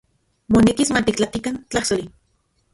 Monekis matiktlatikan tlajsoli.